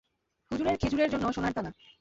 হুজুরের খেজুরের জন্য সোনার তালা!